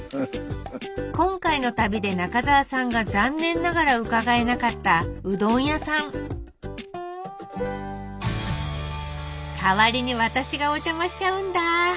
今回の旅で中澤さんが残念ながら伺えなかったうどん屋さん代わりに私がおじゃましちゃうんだ。